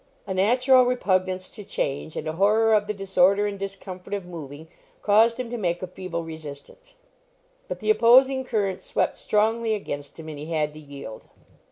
A natural repugnance to change and a horror of the disorder and discomfort of moving caused him to make a feeble resistance; but the opposing current swept strongly against him, and he had to yield.